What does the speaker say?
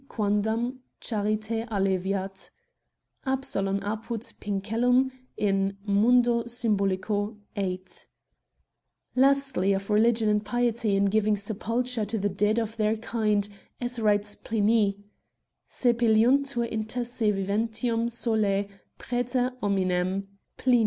quadam charitate alleviat ' (Absalon apud Picinellum, in Mundo symbolicOy 8) ; lastly, of religion and piety, in giving sepulture to* the dead of their kind, as writes Pliny, 'sepeliuntur inter se viventium solae, praeter hominem ' (PHn.